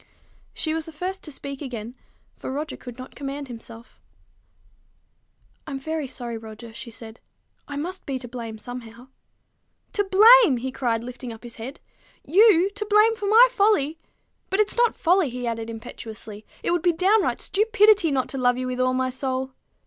She was the first to speak again, for Roger could not command himself. "I'm very sorry, Roger," she said. "I must be to blame somehow." "To blame!" he cried, lifting up his head. "You to blame for my folly! But it's not folly," he added impetuously: "it would be downright stupidity not to love you with all my soul."